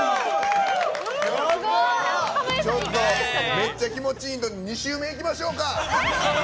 めっちゃ気持ちいいので２周目いきましょうか！